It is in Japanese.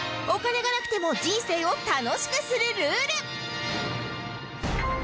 お金がなくても人生を楽しくするルール